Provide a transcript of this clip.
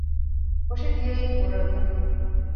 ފޮށި ދިޔައީ ފުރޮޅެމުން